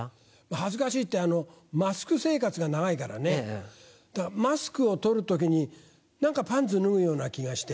恥ずかしいってあのマスク生活が長いからねだからマスクを取る時にパンツ脱ぐような気がして。